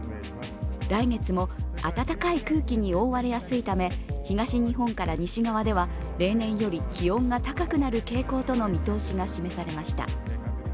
来月も暖かい空気に覆われやすいため、東日本から西側では例年より気温が高くなる傾向との見通しが示されました。